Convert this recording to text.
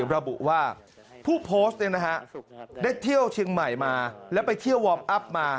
ระบุว่าผู้โพสต์ได้เที่ยวเชียงใหม่มาแล้วไปเที่ยววอร์มอัพมา